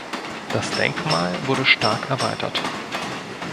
Das Denkmal wurde stark erweitert.